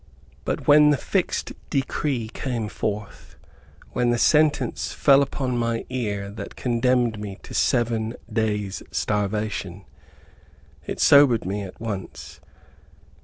But when the fixed decree came forth, when the sentence fell upon my ear that condemned me to SEVEN DAYS' STARVATION, it sobered me at once.